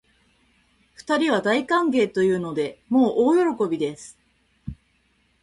二人は大歓迎というので、もう大喜びです